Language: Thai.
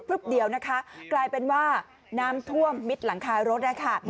เดียวนะคะกลายเป็นว่าน้ำท่วมมิดหลังคารถนะคะ